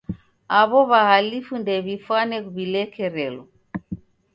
Aw'o w'ahalifu ndew'ifwane w'ilekerelo.